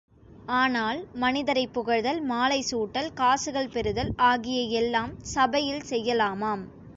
ஆனால் மனிதரைப் புகழ்தல், மாலை சூட்டல், காசுகள் பெறுதல் ஆகிய எல்லாம் சபையில் செய்யலாமாம்.